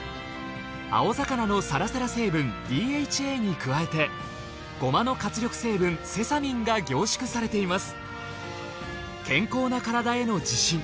青魚のサラサラ成分ＤＨＡに加えてゴマの活力成分セサミンが凝縮されています。